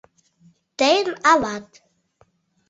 Тыйын ават.